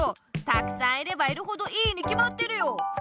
たくさんいればいるほどいいにきまってるよ！